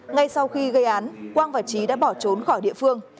ngay sau khi gây án quang và trí đã bỏ trốn khỏi địa phương